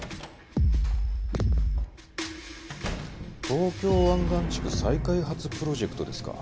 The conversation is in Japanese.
東京湾岸地区再開発プロジェクトですか。